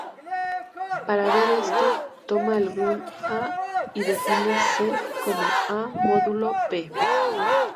Para ver esto, toma algún "a y define c" como "a" modulo "p".